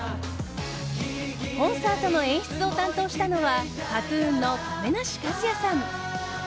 コンサートの演出を担当したのはＫＡＴ‐ＴＵＮの亀梨和也さん。